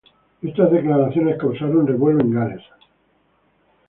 Estas declaraciones causaron revuelo en Gales.